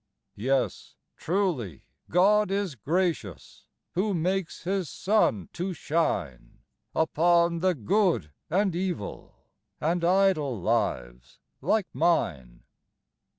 Yes, truly God is gracious, Who makes His sun to shine Upon the good and evil, And idle lives like mine.